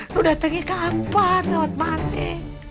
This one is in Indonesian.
lu datangnya kapan lewat mandi